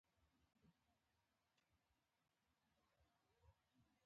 کور حق دی